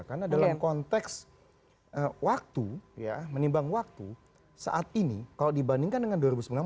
karena dalam konteks waktu ya menimbang waktu saat ini kalau dibandingkan dengan dua ribu sembilan belas